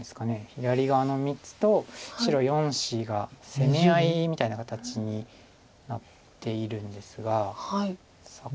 左側の３つと白４子が攻め合いみたいな形になっているんですがさあ